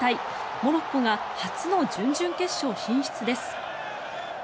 モロッコが初の準々決勝進出です。